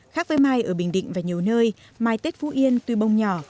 khác với mai ở bình định và nhiều nơi mai tết phú yên tuy bông nhỏ